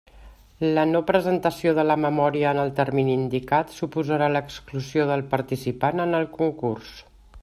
La no presentació de la memòria en el termini indicat, suposarà l'exclusió del participant en el concurs.